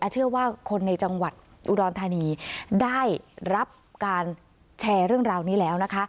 เชื่อว่าคนในจังหวัดอุดรธานีได้รับการแชร์เรื่องราวนี้แล้วนะคะ